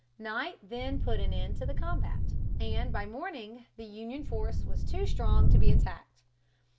Night then put an end to the combat, and by morning the Union force was too strong to be attacked.